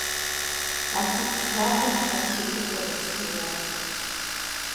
А пут закъуэм щхьэлтетыр хуэнэпсеят.